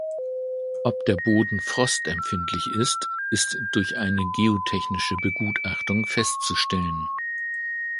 Ob der Boden frostempfindlich ist, ist durch eine geotechnische Begutachtung festzustellen.